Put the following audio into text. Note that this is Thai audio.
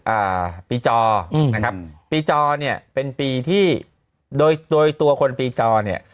อ่าปีจออืมนะครับปีจอเนี่ยเป็นปีที่โดยโดยตัวคนปีจอเนี่ย